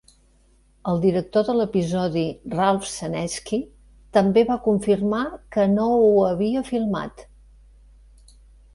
El director de l'episodi Ralph Senesky també va confirmar que no ho havia filmat.